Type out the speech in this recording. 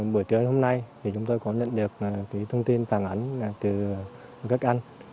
bữa trưa hôm nay chúng tôi có nhận được thông tin tàng ảnh từ gất ăn